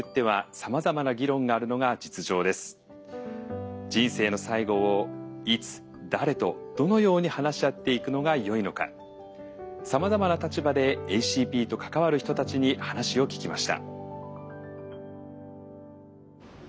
さまざまな立場でＡＣＰと関わる人たちに話を聞きました。